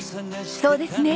そうですね。